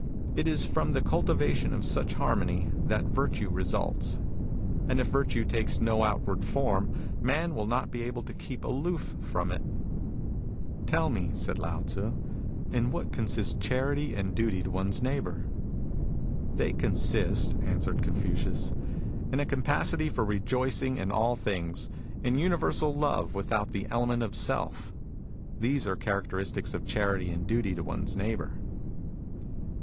It is from the cultivation of such harmony that virtue results. And if virtue takes no outward form, man will not be able to keep aloof from it." DUTY TO ONE'S NEIGHBOUR 75 " Tell me," said Lao Tzu, " in what consist charity and duty to one's neighbour ?"" They consist," answered Confucius, " in a capacity for rejoicing in all things ; in universal love, without the element of self. These are the characteristics of charity and duty to one's neighbour."